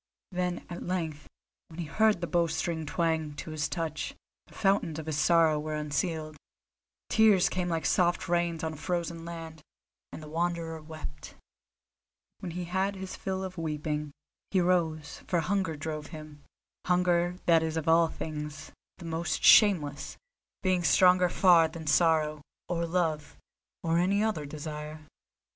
Then at length, when he heard the bowstring twang to his touch, the fountains of his sorrow were unsealed; tears came like soft rains on a frozen land, and the Wanderer wept. When he had his fill of weeping, he rose, for hunger drove him—hunger that is of all things the most shameless, being stronger far than sorrow, or love, or any other desire.